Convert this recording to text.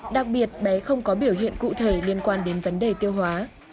đặc biệt bé không có biểu hiện cụ thể liên quan đến vấn đề tiêu hóa